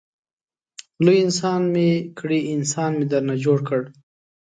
لوی انسان مې کړې انسان مې درنه جوړ کړ.